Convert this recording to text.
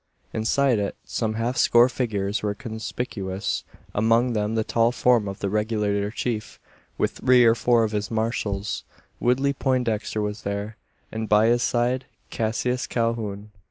Inside it, some half score figures were conspicuous among them the tall form of the Regulator Chief, with three or four of his "marshals." Woodley Poindexter was there, and by his side Cassius Calhoun.